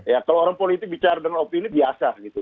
ya kalau orang politik bicara dengan opini biasa gitu